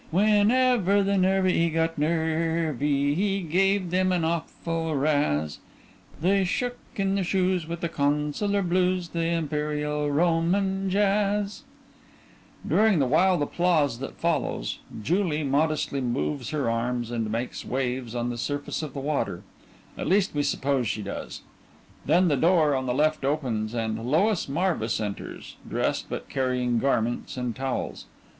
Whenever the Nervii got nervy He gave them an awful razz They shook in their shoes With the Consular blues The Imperial Roman Jazz (During the wild applause that follows JULIE _modestly moves her arms and makes waves on the surface of the water at least we suppose she does. Then the door on the left opens and_ LOIS MARVIS _enters, dressed but carrying garments and towels.